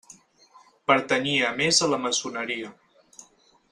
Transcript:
Pertanyia a més a la maçoneria.